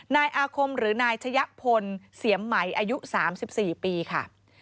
นายอาคมหรือนายชะยะพลเสียมไหมอายุ๓๔ปีค่ะ